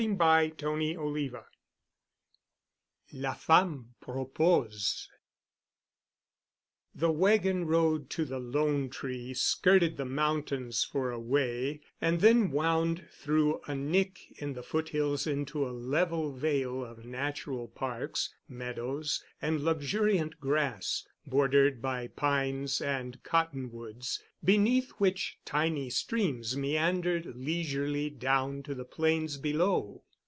*CHAPTER XX* *La Femme Propose* The wagon road to the "Lone Tree" skirted the mountains for a way and then wound through a nick in the foothills into a level vale of natural parks, meadows, and luxuriant grass, bordered by pines and cottonwoods, beneath which tiny streams meandered leisurely down to the plains below.